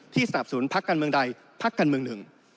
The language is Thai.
ที่สาบสนพักกันเมืองใดพักกันเมืองหนึ่ง